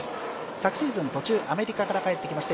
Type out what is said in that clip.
昨シーズン途中、アメリカから帰ってきまして、